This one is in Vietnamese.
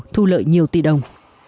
thu lợi nhiều tỷ đồng